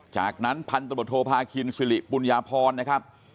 จากนั้นพันธบทโทพาคินสิริปุญญาพรนะครับ